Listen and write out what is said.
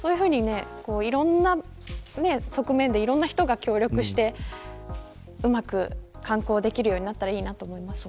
いろんな側面でいろんな人が協力してうまく観光できるようになるといいなと思います。